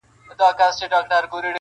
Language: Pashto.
• آزمیېلی دی دا اصل په نسلونو -